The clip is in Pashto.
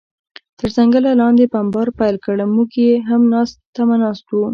تر ځنګله لاندې بمبار پیل کړ، موږ یې هم تمه ناست و.